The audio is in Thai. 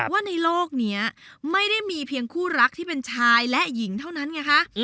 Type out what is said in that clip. ว่าในโลกนี้ไม่ได้มีเพียงคู่รักที่เป็นชายและหญิงเท่านั้นไงคะ